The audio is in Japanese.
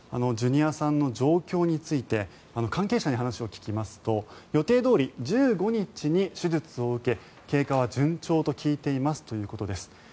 ジュニアさんの状況について関係者に話を聞きますと予定どおり１５日に手術を受け経過は順調と聞いていますということです。